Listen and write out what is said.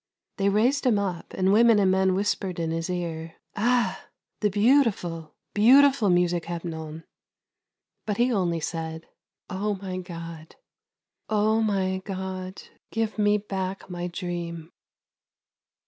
They raised him up, and women and men whispered in his ear: " Ah, the beautiful, beautiful music, Hepnon !" But he only said :" Oh my God, Oh my God, give me back my dream